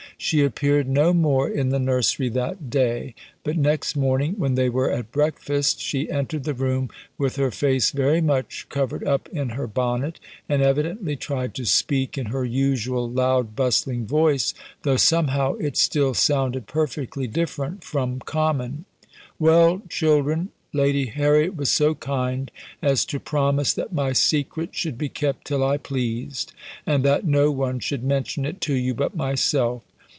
She appeared no more in the nursery that day, but next morning when they were at breakfast, she entered the room with her face very much covered up in her bonnet, and evidently tried to speak in her usual loud bustling voice, though somehow it still sounded perfectly different from common. "Well, children! Lady Harriet was so kind as to promise that my secret should be kept till I pleased, and that no one should mention it to you but myself.